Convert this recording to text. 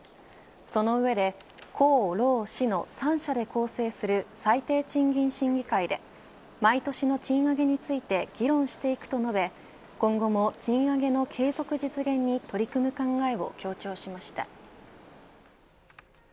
その上で公労使の三者で構成する最低賃金審議会で毎年の賃上げについて議論していくと述べ今後も賃上げの継続実現に取り組む考えを強調しました。